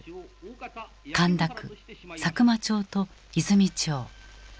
神田区佐久間町と和泉町。